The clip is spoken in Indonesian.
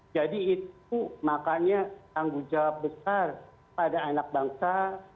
jadi itu makanya tanggung jawab besar pada anak bangsa